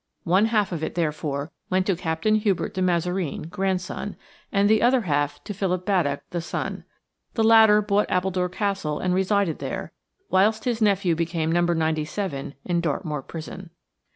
One half of it, therefore, went to Captain Hubert de Mazareen, grandson, and the other half to Philip Baddock, the son. The latter bought Appledore Castle and resided there, whilst his nephew became No. 97 in Dartmoor Prison.